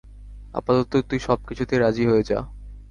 আপাতত তুই সব কিছুতেই রাজি হয়ে যা।